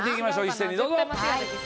一斉にどうぞ。